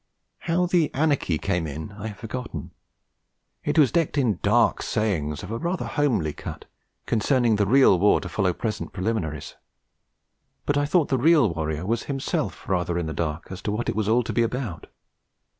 How the anarchy came in I have forgotten. It was decked in dark sayings of a rather homely cut, concerning the real war to follow present preliminaries; but I thought the real warrior was himself rather in the dark as to what it was all to be about.